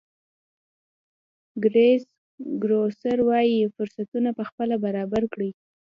کرېس ګروسر وایي فرصتونه پخپله برابر کړئ.